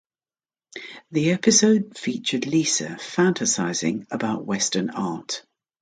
The episode featured Lisa fantasizing about Western Art.